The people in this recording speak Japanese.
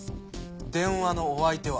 電話のお相手は？